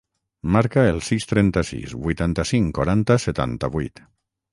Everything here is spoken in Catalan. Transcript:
Marca el sis, trenta-sis, vuitanta-cinc, quaranta, setanta-vuit.